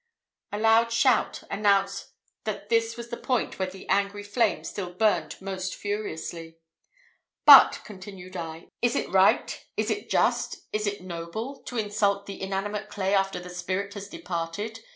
A loud shout announced that this was the point where the angry flame still burned most furiously. "But," continued I, "is it right, is it just, is it noble, to insult the inanimate clay after the spirit has departed?